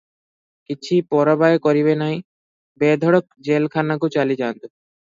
କିଛି ପରବାଏ କରିବେ ନାହିଁ, ବେଧଡ଼କ ଜେଲ୍ ଖାନାକୁ ଚାଲିଯାଆନ୍ତୁ ।